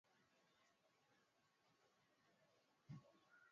Sasa hii ni awamu nyingine